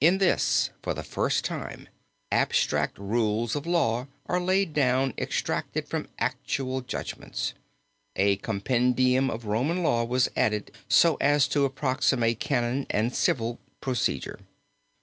In this for the first time abstract rules of law are laid down extracted from actual judgments. A compendium of Roman Law was added so as to approximate canon and civil procedure.